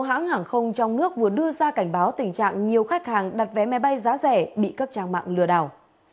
hãng hàng không trong nước vừa đưa ra cảnh báo tình trạng nhiều khách hàng đặt vé máy bay giá rẻ bị các trang mạng lừa đảo